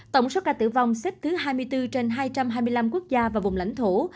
tổng số ca tử vong xếp thứ hai mươi bốn trên hai trăm hai mươi năm quốc gia và vùng lãnh thổ